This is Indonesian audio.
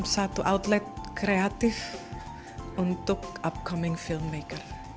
satu outlet kreatif untuk upcoming filmmaker